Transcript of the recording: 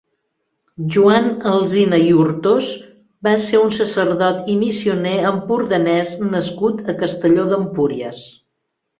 Joan Alsina i Hurtós va ser un sacerdot i missioner empordanès nascut a Castelló d'Empúries.